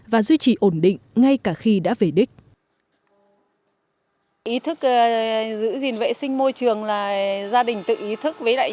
và duy trì ổn định ngay cả khi đã về đích